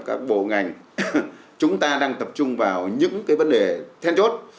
các bộ ngành chúng ta đang tập trung vào những cái vấn đề then chốt